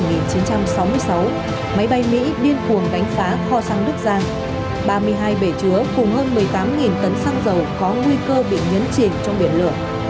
nguyên khuồng đánh phá kho xăng đức giang ba mươi hai bể chứa cùng hơn một mươi tám tấn xăng dầu có nguy cơ bị nhấn chìn trong biển lửa